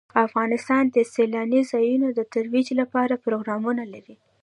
افغانستان د سیلاني ځایونو د ترویج لپاره پروګرامونه لري.